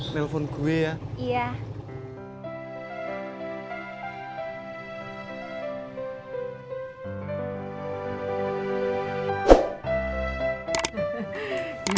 telepon gue ya iya